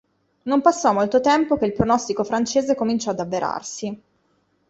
Non passò molto tempo che il pronostico francese cominciò ad avverarsi.